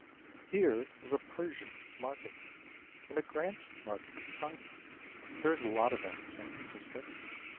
Here is a "Pershing Market" and a "Grant Market," beside it. There's a lot of that in San Francisco.